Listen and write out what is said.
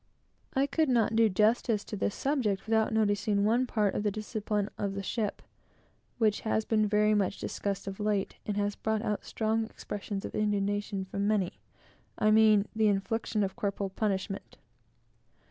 I could not do justice to this subject without noticing one part of the discipline of a ship, which has been very much discussed of late, and has brought out strong expressions of indignation from many, I mean the infliction of corporal punishment.